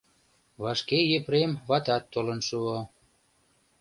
Вашке Епрем ватат толын шуо.